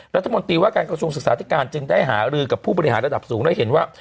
รัฐมนตรีว่าการกระทรวงศึกษาธิการจึงได้หารือกับผู้บริหารระดับสูงและเห็นว่า